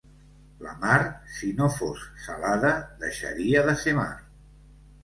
La mar, si no fos salada, deixaria de ser mar.